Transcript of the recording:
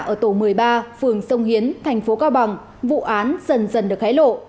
ở tổ một mươi ba phường sông hiến thành phố cao bằng vụ án dần dần được hái lộ